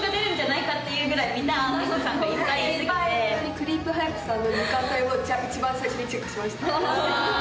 クリープハイプさんの時間帯を一番最初にチェックしました。